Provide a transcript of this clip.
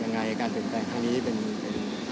ยังไงอาการติดตั้งทางนี้เป็นยังไง